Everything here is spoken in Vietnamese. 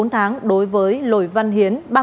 bốn tháng đối với lồi văn hiến